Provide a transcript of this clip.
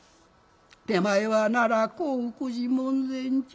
「手前は奈良興福寺門前町」。